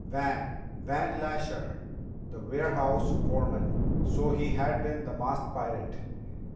Van! Van Lasher! The warehouse foreman! So he had been the masked pirate!